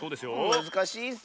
むずかしいッス！